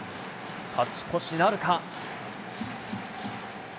勝ち越しなるか。